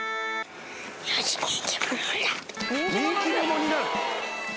人気者になる？